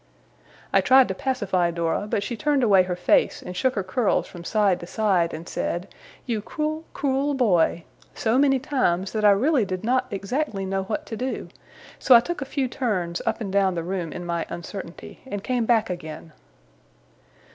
I tried to pacify Dora, but she turned away her face, and shook her curls from side to side, and said, 'You cruel, cruel boy!' so many times, that I really did not exactly know what to do: so I took a few turns up and down the room in my uncertainty, and came back again.